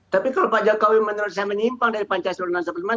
tapi kalau pak jokowi menurut saya menyimpang dari pancasila dan sebagainya